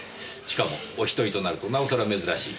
しかもお１人となるとなおさら珍しい。